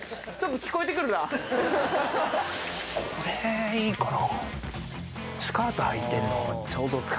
これいいかな。